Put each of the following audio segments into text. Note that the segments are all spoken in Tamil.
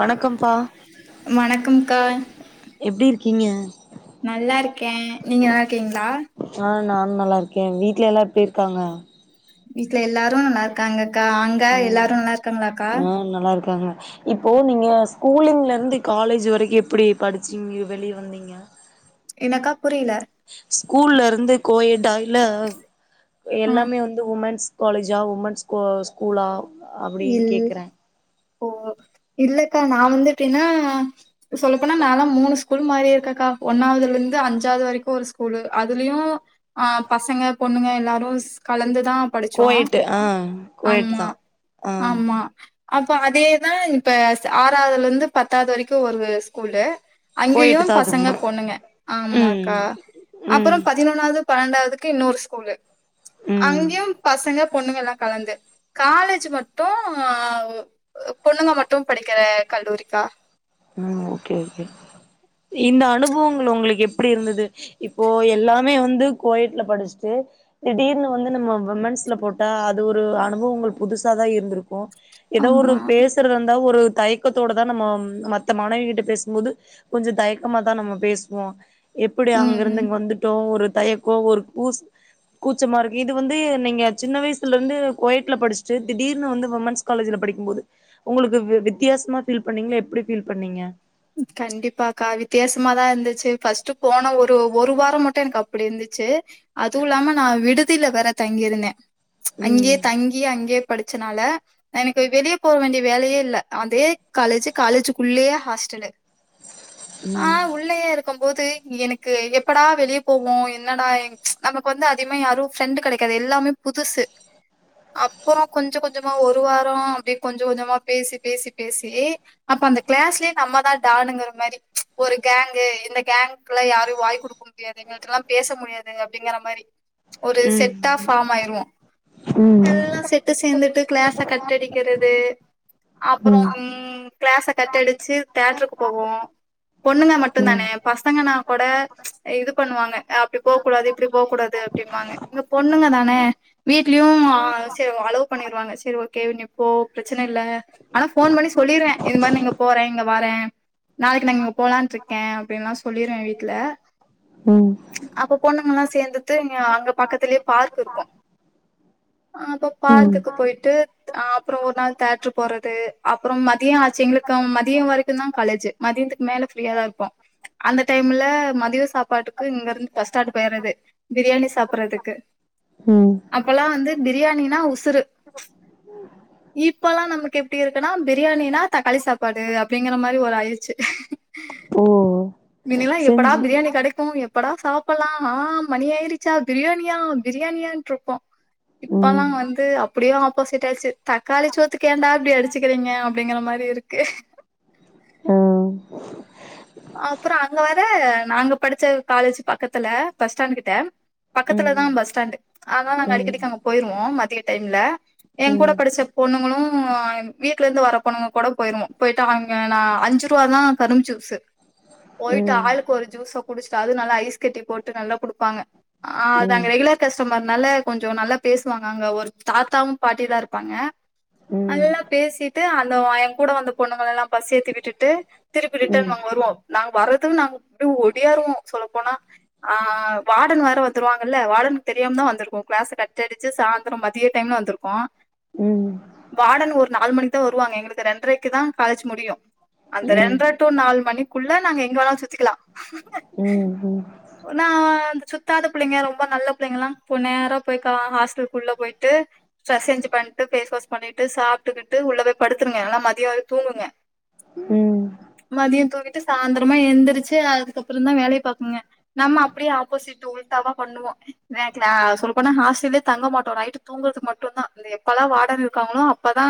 வணக்கம்ப்பா வணக்கம்க்கா எப்டி இருக்கீங்க நல்லாருக்கே நீங்க நல்லாருக்கீங்களா ஆ நானு நல்லா இருக்கே வீட்ல எல்லா எப்டி இருக்காங்க வீட்ல எல்லாரு ந ருக்காங்கக்கா அங்க ம் எல்லாரு நல்லாருக்காங்களாக்கா ஆ நல்லா இருக்காங்க இப்போ நீங்க ஸ்கூலிங்ல இருந்து காலேஜ் வரைக்கு எப்டி படிச்சிங்க வெளிய வந்தீங்க என்னக்கா புரியல ஸ்கூல்ல இருந்து கோயிட்டா இல்ல ஆ எல்லாமே வந்து உமென்ஸ் காலேஜா உமன்ஸ் ஸ்கூ ஸ்கூலா அப்டின்னு இல் கேக்குறே ஓ இல்லக்கா நா வந்து எப்டின்னா சொல்ல போனா நா லா மூணு ஸ்கூல் மாரி இருக்கக்கா ஒன்னாவதுல இருந்து அஞ்சாவது வரைக்கு ஒரு ஸ்கூலு அதுலயு ஆ பசங்க பொண்ணுங்க எல்லாரு கலந்துதா படிச்சோ கோயட்டு ஆ கோயட்டு ஆமா தா ஆ ஆமா அப்போ அதேதா இப்ப ஆறாவதுல இருந்து பத்தாவது வரைக்கு ஒரு ஸ்கூல்லு அங்கேயு கோயட்டு தா அது பசங்க பொண்ணுங்க ம் ஆமாக்கா ம் அப்பறோ பதினொன்னாவது பன்னெண்டாவதுக்கு இன்னொரு ஸ்கூலு ம் அங்கயு பசங்க பொண்ணுங்க எல்லா கலந்து காலேஜ்ஜு மட் டூ ஆ ஓ பொண்ணுங்க மட்டும் படிக்கிற கல்லூரிக்கா ம் ஓகே ஓகே இந்த அனுபோவ்ங்கள் உங்ளுக்கு எப்டி இருந்தது இப்போ எல்லாமே வந்து கோயட்ல படிச்ட்டு திடீர்னு வந்து நம்மோ உமன்ஸ்ல போட்டா அது ஒரு அனுபவங்கள் புதுசா தா இருந்துருக்கோ ஏதோ ஒரு ஆமா. பேசுறது இருந்தா ஒரு தைக்கத்தோட தா நம்ம மத் மானைவி கிட்ட பேசும்போது கொஞ்சோ தயக்கமா தா நம்ம பேசுவோ எப்டி அங்க இருந்து ம். இங்க வந்து டோ ஒரு தயக்கோ ஒரு பூஸ் கூச்ச மா இருக்கு இது வந்து நீங்க சின்ன வயசுல இருந்து கோயட்ல படிச்சுட்டு திடீர்னு வந்து உமன்ஸ் காலேஜ்ல படிக்கும் போது உங்களுக்கு வித்தியாசமா ப்பீல் பண்ணீங்கள எப்டி பீல் பண்ணீங்க கண்டிப்பா அக்கா வித்தியாசமாதா இருந்துச்சு ஃப்ர்ஸ்ட்ட் போன ஒரு ஒரு வாரோ மட்டு எனக்கு அப்டி இருந்துச்சு அதுவு இல்லாம நா விடுதில வேற தங்கியிருந்தே ம் அங்கேயே தங்கி அங்கயே படிச்சனால எனக்கு வெளிய போவ்வ வேண்டிய வேலயே இல்ல அதே காலேஜ் காலேஜுக்குள்ளயே ஹாஸ் டலு ஆ ம் உள் உள்ளயே இருக்கோம் போது எனக்கு எப்படா வெளிய போவோ என்னடா நம்மக் வந்து அதிகமா யாரோ ஃப்ரெண்டு் கடைக்காது எல்லாமே புதுசு அப்புறோ கொஞ்சோ கொஞ்சமா ஒரு வாரோ அப்டியே கொஞ்சோ கொஞ்சமா பேசி பேசி பேசி அப்ப அந்த கிளாஸ்லயே நம்மதா டானுங்கற மாரி ஒரு கேங்கு இந்த கேங்க்குல யாரோ வாய் குடுக்க முடியாது ல்லா பேச முடியாது அப்டிங்கற மாரி ஒரு ம் செட்டா ஃபார்ம் ஆய்ருவோ ம் எல்லா செட்டு சேந்துட்டு கிளாஸ கட் அடிக்கிறது அப்புறம் கிளாஸ கட்டடிச்சு தேட்ருக்கு போவோ பொண்ணுங்க மட்டு தானே பசங்கனா கூட இது பண்ணுவாங்க அப்டி போ கூடாது இப்டி போ கூடாது அப்டிம்பாங்க இங்க பொண்ணுங்க தானே வீட்லயு ஆ சரி அலோ பண்ணிருவாங்க சரி ஓகே நீ போ பிரச்சன இல்ல ஆனா ஃபோன் பண்ணி சொல்லிருவ இது மாரி நீங்க போறங் இங்க வரே நாளைக்கு நாங் இங்க போலான்ட்ருக்க அப்டின்ல்லா சொல்லிருவ வீட்ல ம் அப்ப பொண்ணுங்கல்லா சேந்துட்டு இங்க அங்க பக்கத்திலே பார்க் இருக்கோ ஆ அப்ப ம் பார்க்குக்கு போய்ட்டு அ அப்புறோ ஒரு நாள் தேட்ரு போறது அப்புறம் மதிய ஆச்சு எங்ளுக்கோம் மதிய வரைக் மட்டும்தா கலெஜ்ஜூ மதியன்த்துக்கு மேல ஃப்ரீயா தா இருப்போ அந்த டைம்ல மதியோ சாப்பாட்டுக்கு இங்க இருந்து பஸ் ஸ்டாண்டு போய்றது பிரியாணி சாப்பறதுக்கு ம் அப்பல்லா வந்து பிரியாணினா உசுரு இப்பல்லா நமக்கு எப்டி இருக்குனா பிரியாணினா தக்காளி சாப்பாடு அப் அப்டிங்கற மாரி ஒரு ஆயிருச்சு ஓ மின்னில்லா எப்படா செஞ்சு பிரியாணி கடைக்கோ எப் அப்படா சாப்பலா ஆ மணி ஆய்ருச்சா பிரியாணியா பிரியாணியான்ட்ருப்போ இப்பலா ம் வந்து அப்டியே ஆப்போசிட் ஆயிருச்சு தக்காளி சோத்துக்கு ஏன்டா இப்டி அடிச்சுக்கிறீங்க அப் டிங்கிற மாரி இருக்கு ஆ அப்ற அங்க வர நாங்க படிச்ச காலேஜு பக்கத்துல பஸ் ஸ்டாண்ட்டு கிட்ட ம் பக்கத்துல தா ம் பஸ் ஸ்டாண்டு அதனால ம் நாங்க ம் அடிக்கடிக்கு அங்க போயிருவோ மதிய டைம்ல எங்கூட ம் படிச்ச பொண்ணுங்களு வீட்ல இருந்து வர பொண்ணுங்க கூட போயிருவோ போயிட்டு அங் ஏனா அஞ்சு ரூவா தா கரும்பு ஜூஸு ம் ம் போய்ட்டு ம் ஆளுக்கொரு ஜூஸக் குடிச்ட்டு அதுவு நல்லா ஐஸ் கட்டி போட்டு நல்லா குடுப்பாங்க ஆ அது அங்க ரெகுலேர் கஸ்டமர்னால கொஞ்ச நல்லா பேசுவாங்க அங்க ஒரு தாத்தாவு பாட்டியு தா இருப்பாங்க ம் நல்லா பேசிட்டு அந்த எங்கூட வந்த பொண்ணுங்களல்லா பஸ் ஏத்தி விட்டுட்டு திருப்பி ரிட்டன் நாங்க வருவோ நாங்க வர்றதுக்கு நாங்க அப்டியே ஒடியாருவோ சொல்லப்போனா ஆ வாடர்ன் வேற வந்துருவாங்கல்ல வாடர்னுக்கு தெரியாம தா வந்திருக்கோ கிளாஸ கட்டடிச்சு சா ந்தர மதிய டைம்ல வந்துருக்கோ ம் ம் வாடர்ன் ஒரு நாலு மணிக்கு தா வருவாங்க எங்களுக்கு ரெண்ரைக்கு தா காலேஜ் முடியு அந்த ரெண்ட்ர டூ நாலு மணிக்குள்ள நாங்க எங்க வேணாலு சுத்திக்கலா ம் ஒ நா வந்து சுத்தாத பிள்ளைங்க ரொம்ப நல்ல பிள்ளைங்கலா போ நேரா போய் கா ஹாஸ்டல்க்குள்ள போய்ட்டு ட்ரஸ் சேஞ்சு பண்ட்டு ஃபேஸ் வாஷ் பண்ணிட்டு சாப்ட்டுகிட்டு உள்ள போய் படுத்துருங்க எல்லா மதிய வரை தூங்குங்க ம் மதிய தூங்கிட்டு சாந்தரமா எந்திரிச்சு அதுக்கப்றந்தா வேலைய பாக்குங்க நம்ம அப்டியே ஆப்போசிட்டு உல்டாட்வா பண்ணுவோ நேத்து நா சொல்ல போனா ஹாஸ்டல்லே தங்க மாட்டோ நைட்டு தூங்குறது மட்டுந்தா இந்த எப்பலா வார்டன் இருக்காங்களோ அப் ப்பதா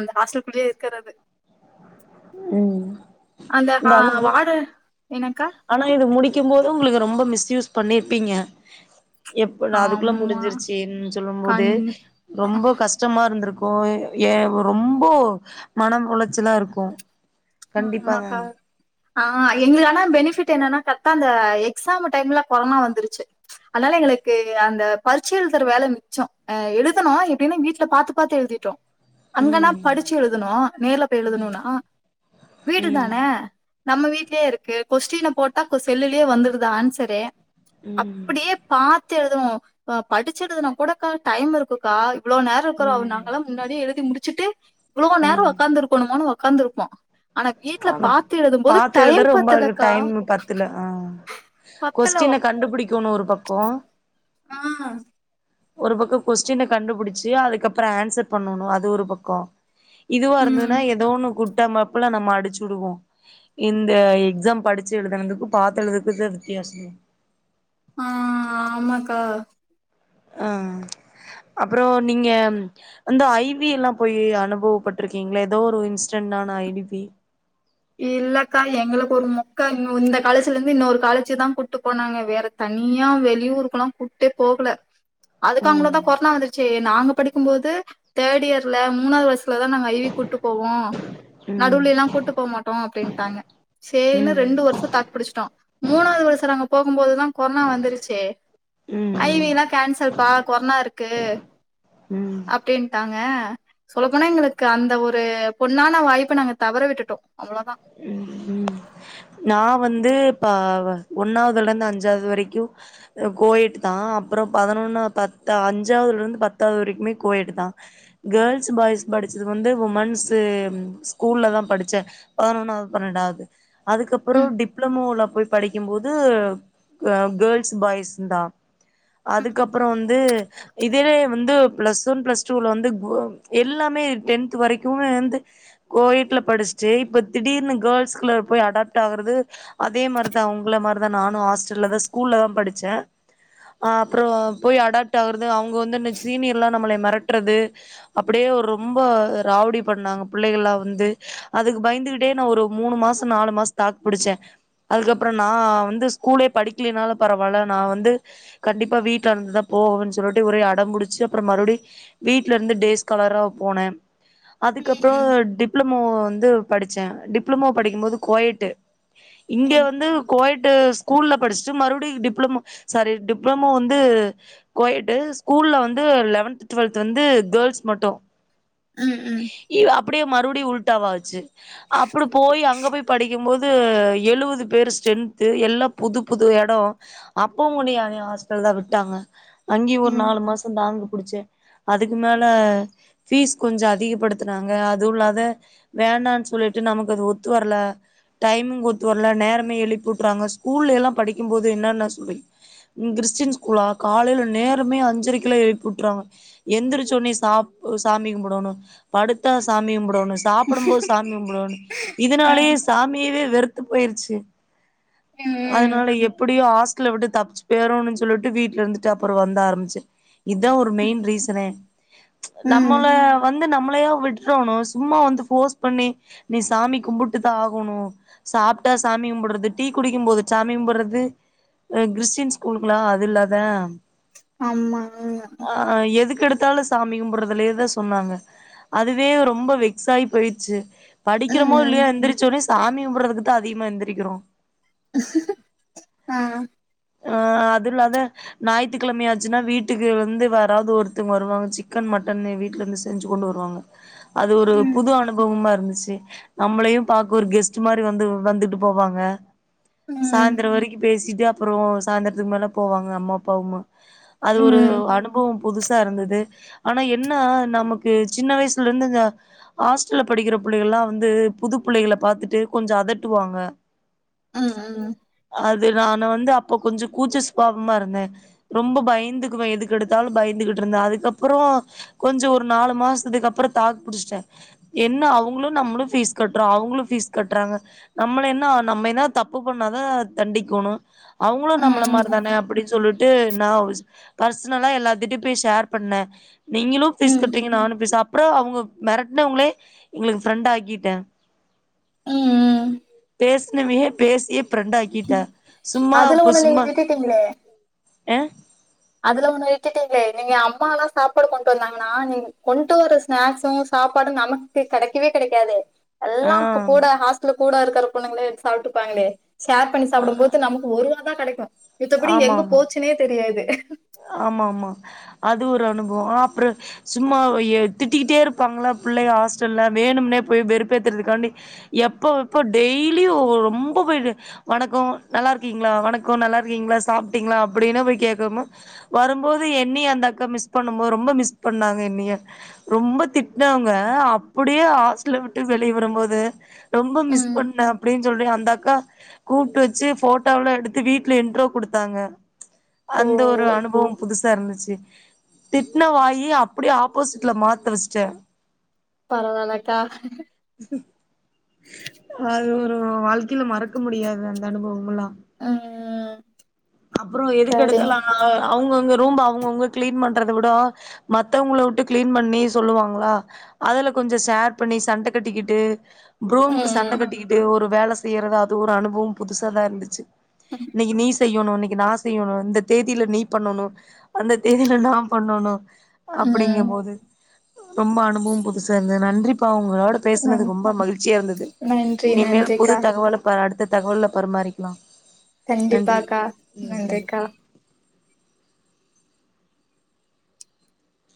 அந்த ஹாஸ்டலுக்குள்ளயே இருக்கிறது ம் அந்த இந்த ஹா அனுப்பு வார்டு என்னக்கா ஆனா இது முடிக்கும் போது உங்களுக்கு ரொம்ப மிஸ்யூஸ் பண்ணிருப்பீங்க எப்படா அதுக்குள்ள ஆமா முடிஞ்சிருச்சுன் சொல்லும் போது கண் ரொம்ப கஷ் கஷ்டமா இருந்திருக்கு ஏ ரொம்ப மனம் உளச்சலா இருக்கு ஆ கண்டிப்பாங்க ஆமாக்கா ஆ எங்களுக்கு ஆனா பெனிஃபிட் என்னன்னா கரெக்டா அந்த எக்ஸாமு டைம்ல கொரோனா வந்துருச்சு அதனால எங்களுக்கு அந்த பரிச்ச எழுத்துற வேல மிச்ச அ எழுதுனோ எப்டினா வீட்ல பாத்து பாத்து எழுதி அங்கனா ம் படிச்சு எழுதுனோ நேர்ல போய் எழுதனுனா வீடு ம் தானே நம்ம வீட்லே இருக்கு கொஸ்டின போட்டா இப்ப செல்லுலே வந்துருது ஆன்சரே ம் அப்டியே பாத்து எழுதுவோ அ படிச்சு எழுதுனாகூடக்கா டைம் இருக்கு குக்கா இவ்ளோ நேர இருக்குறா அவ ம் நாங்களா முன்னாடியே எழுதி முடிச்சுட்டு இவ்ளோ நேர ம் ஒக்காந்துருக்கணுமானு பாக் உக்காந்துருப்போ ஆனா பாத்து எழுதுற டைம் ரொம்ப அது பத்தலக்கா டைமு பத்துல ஆ பத்தல கொஸ்டின கண்டுபுடிக்கணு ஒரு பக்கோ ஆ ஒரு பக்க கொஸ்டின கண்டுபுடிச்சு அதுக்கப்பற ஆன்சர் பண்ணணு அது ஒரு பக்கோ இதுவ ம் இருந்ததுனா எதோ ஒன்னு குர்ட்டாமைப்புல நம்ம அடுச் சுடுவோ இந்த எக்ஸாம் படிச்சு எழுதுனதுக்கு பாத்து எழுதுனக்கு இதா வித்தியாச ஆ ஆமக்கா ஆ அப்றோ நீங்க அந்த ஐ வி எல்லா போய் அனுபவப்பட்ருக்கீங்களா எதோ ஒரு இன்ஸ்டன்டான ஐ வி பி இல்லக்கா எங்களுக்கு ஒரு மொக்க இந்த காலேச்சீல இருந்து இன்னொரு காலேச்சி தா கூட்டு போனாங்க வேற தனியா வெளியுருக்கெல்லா கூப்டே போகல அதுக்காங்கள ம் கொரோனா வந்துருச்சு நாங்க படிக்கு போது தேட் இயர்ல மூணாவது வர்சுலதா நாங்க ஐ வி கூப்ட்டு போவோ ம் நடுவுலல்லா கூப்ட்டு போக மா ட்டோ அப்டின்ட்டாங்க சரின்னா ம் ரெண்டு வருஷோ தாக்கு பிடிச்சீட்டோ மூணாவுது வருஷோ நாங்க போகுபோதுதா கொரோனா வந்துருச்சே ஐ ம் விலா கேன்சல் பா கொரோனா இருக்கு ம் அப்டீன்ட்டாங்க சொல்ல போனா எங்களுக்கு அந்த ஒரு பொண்ணான வாய்ப்ப நாங்க தவற விட்டுட்டோ அவ்ளோ தா ம் ம் நா வந்து இப்ப ஒன்னாவுதுல இருந்து அஞ்சாவது வரைக்கு கோயேட் தா அப்றோ பதினொன்னு பத்த அஞ்சாவதுல இருந்து பத்தாவுது வரைக்குமே கோயேட் தா கேர்ள்ஸ் பாய்ஸ் படிச்சது வந்து வுமென்ஸ் ஸ்கூல்ல தா படிச்சே பதினொன்னாவுது பன்னெண்டாவுது அதுக்கப்றோ ம், டிப்ளமோல போய் படிக்குபோது அ கேர்ள்ஸ் பாய்ஸ்ஸு தா அதுக்கப்றோ வந்து இதுலே வந்து பளஸ் ஒன் பளஸ் டூல வந்து எல்லாமே டென்த் வரைக்குமே வந்து கோயேட்ல படிச்சிட்டு இப்ப திடீர்னு கேர்ள்ஸ்குள்ள போய் அடாப்ட் ஆகுறது அதே மாரிதா உங்கள மாரிதா நானு ஹாஸ்டல்ல தா ஸ்கூல்ல தா படிச்சே ஆ அப்றோ போய் அடாப்ட் ஆகுறது அவுங்க வந்து சீனியர் எல்லா நம்மள மெரட் ரது அப்டியே ரொம்ப ராவுடி பண்ணாங்க பிள்ளகள்லா வந்து அதுக்கு பயந்துட்டு அப்டியே ஒரு மூணு மாசோ நாலு மாசோ தாக்கு பிடிச்சே அதுக்கப்றோ நா வந்து ஸ்கூலே படிக்கிலினால பரவாயில நா வந்து கண்டிப்பா வீட்ல இருந்துதா போவேன்னு சொல்லிட்டு ஒரேடம் முடிச்சு அப்றோ மறுபடி வீட்ல இருந்து டேஸ்காலரா போனே அதுக்கப்றோ ம், டிப்ளமோ வந்து படிச்சே டிப்ளமோ படிக்குபோது கோயட்டு இங்க ம், வந்து கோயட் ட்டு ஸ்கூல்ல படிச்சுட்டு மறுபடி டிப்ளமோ சாரி டிப்ளமோ வந்து கோயட்டு ஸ்கூல்ல வந்து லெவன்த் டுவெல்த் வந்து கேர்ள்ஸ் மட்டு ம் ம் இ அப்டியே மறுபடி வுல்ட்டாவ ஆச்சி அப்டி போய் அங்க போய் படிக்கு போது எழுவது பேர் ஸ்ட்ரென்த்து எல்லா புது புது எடோ அப்பவு உன்ன என்னைய ஹாஸ்ட்டல்ல தா விட்டாங்க அங்கயு ஒரு ம், நாலு மாசோ தாக்கு புடிச்சே அதுக்கு மேல ஃபீஸ் கொஞ்சோ அதிகப்படுத்துனாங்க அதுவு இல்லாத வேன்னானு சொல்லிட்டு நமக்கு அது ஒத்து வரல டைம்மிங் ஒத்து வரல நேரமே எழுப்பிவுற்றாங்க ஸ்கூல்ல எல்லா படிக்கு போது என்ன என்ன சொல்வி கிறிஸ்டின் ஸ்கூல்லா காலையில நேரமே அஞ்சரைக்கில்லா எழுப்பி விட்றாங்க எந்திரிச்வுடனே சாப் சாமி கும்புடோணு படுத்தா சாமி கும்புடோணு சாப்புடு போது சாமி கும்புடுணு ம், ம், இதனாலேயே சாமியவே வெறுத்து போயிறிச்சி ஆ, ம், ம், அதனால எப்டியோ ஹாஸ் ஸ்டல்ல விட்டு தப்பிச்சி போயிரேனு சொல்லிட்டு வீட்ல இருந்துட்டு அப்றோ வந்த ஆரம்பிச்சே இதா ஒரு மெயின் ரீசன்னே ம், நம்மள வந்து நம்மளையா விட்றோணு சும்மா வந்து போஸ் பண்ணி நீ சாமி கும்புட்டு தா ஆகணு சாப்ட்டா சாமி கும்டுறது டீ குடிக்கு போது சாமி கும்புடுறது கிறிஸ்டின் ஸ்கூல்லுங்கல அது இல்லாதா ஆமா ம் ஆ எதுக்யெடுத்தாலு சாமி கும்புடுறதுலே தா சொன்னாங்க அதுவே ரொம்ப வெக்சாயி போயி ச்சி ம், படிக்கிறோமோ ம், இல்லையோ எந்திரிச்சி உடனே சாமி கும்புறதுக்கு தா அதிகமா எழுந்திரிக்கிறோ ஆ ஆ அது இல்லாத ஞாயித்துக்கிழமையாச்சின்னா வீட்டுக்கு இருந்து யாராவது ஒருத்தவங்க வருவாங்க சிக்கன் மட்டன்னு எ வீட்ல இருந்து செஞ்சிக் கொண்டு வருவாங்க அது ஒரு ம், புது அனு பவமா இருந்துச்சி நம்மளையு பா்க்க ஒரு கெஸ்ட் மாரி வந்து வந்துட்டு போவாங்க ம், சாய்ந்திரோ வரைக்கு பேசிட்டு அப்பறோ சாயந்திரத்துக்கு மேல போவாங்க அம்மா அப்பாவ அது ஒரு ம், அனுபவம் புதுசா இருந்தது ஆனா என்ன நமக்கு சின்ன வயசுல இருந்து இந்த ஹாஸ் ஹாஸ்டல்ல படிக்கிற பிள்ளைகலா வந்து புது புள்ளைகள பாத்துட்டு கொஞ்சோ அதட்டுவாங்க ம் ம் அது நானு வந்து அப்ப கொஞ்சோ கூச்ச சுபாவமா இருந்தே ரொம்ப பயந்துக்குவே எதுக்யெடுத்தாலு பயந்துகிட்டு இருந்தே அதுக்கப்பறோ கொஞ்சோ ஒரு நாலு மாசத்துக்கு அப்றோ தாக்கு புடிச்சிட்டே என்ன அவுங்களு நம்மளு ஃபீஸ் கட்றோ அவுங்களு ஃபீஸ் கட்றாங்க நம்மள என்ன நம்ம என்னா தப்பு பண்ணாதா தண்டிக்கணு அவுங்களு நம்மள ம் ம் மாரிதானே அப்டின்னு சொல்லிட்டு நா பர்சனலா எல்லாத்திட்டியு போய் ஷேர் பண்ணே நீங்களு ப்பீஸ் ம் கட்றீங்க நானு ப்பீஸ் அப்றோ அவுங்க மிரட்னவங்களே எங்களுக்கு ஃப்ரெண்ட் ஆக்கிட்டே ம் ம் பேசனவையே பேசியே பிரெண்டாக்கிட்டா அதுல சும்மாப்ப ஒண்ணு நீங்க சும்மா விட்டுட்டீங்களே அ அதுல ஒண்ணு விட்டுட்டீங்களே நீங்க அம்மா எல்லா சாப்பாடு கொண்டு வந்தாங்கன்னா நீங் கொண்டு வர்ற ஸ்நாக்ஸு சாப்பாடு நமக்கு கிடைக்கவே கிடைக்காது ஆ எல்லா இப்ப கூட ஹாஸ்டல கூட இருக்கிற பொண்ணுங்களே எடுத்து சாப்பிட்டுப்பாங்களே ஷேர் பண்ணி சாப்பிடும்போது நமக் ஒருவா தா கிடைக்கு மித்தபடி ஆமா எங்க ஆமா போச்சின்னே தெரியாது ஆமா ஆமா அது ஒரு அனுபவோ அப்றோ சும்மா ஏ திட்டிக்கிட்டே இருப்பாங்களா பிள்ளய ஹாஸ்டல்ல வேணும்னே போய் வெறுப்பேத்துறதுக்காண்டி எப்ப எப்ப டெய்லியு ரொம்ப போயி வணக்கோ நல்லா இருக்கீங்களா வணக்கோ நல்லா இருக்கீங்களா சாப்பிட்டீங்களா அப்டின்னு போய் கேக்கணு வரும்போது என்னய்ய அந்த அக்கா மிஸ் பண்ணும்போது ரொம்ப மிஸ் பண்ணாங்க என்னய ரொம்ப திட்டினவங்க அப்டியே ஹாஸ்டல விட்டு வெளிய வரும்போது ரொம்ப மிஸ் ம் பண்ண அப்டின்னு சொல்ற அந்த அக்கா கூப்பிட்டு வச்சு போட்டோலா எடுத்து வீட்டுல இண்ட்ரோ கொடுத்தாங்க ஓ அந்த ஒரு அனுபவம் புதுசா இருந்துச்சு திட்ன வாயி அப்டியே ஆப்போசிட்ல மாத்த வச்சுட்டே பரவால்லக்கா அது ஒரு வாழ்க்கையில மறக்க முடியாது அந்த அனுபவம் எல்லா ம் அப்றோ எதுக்கு எடுத் சரி ம் அவங்கவுங்க ரூம்ப அவங்கவுங்க கிளீன் பண்றத விடவா மத்தவங்கள விட்டு கிளீன் பண்ணி சொல்லுவாங்களா அதுல கொஞ்சோ ஷேர் பண்ணி சண்ட கட்டிக்கிட்டு ரூம்க்கு சண்ட ம் கட்டிக்கிட்டு ஒரு வேல செய்யறதா அது ஒரு அனுபவம் புதுசாக தா இருந்துச்சு இன்னைக்கு நீ செய்யணு இன்னைக்கு நா செய்யணு இந்த தேதியில நீ பண்ணணு அந்த தேதியில நா பண்ணணு ம் அப்படிங்கபோது ரொம்ப அனுபவொ புதுசா இருந்தது நன்றிப்பா உங்களோட பேசுனது நன் ரொம்ப மகிழ்ச்சியா இருந்தது நன்றி இனிமேல் புது நன்றிக்கா தகவல பார் அடுத்த தகவல்ல பரிமாரிக்கலா நன்றி கண்டிப்பாக்கா நன்றிக்கா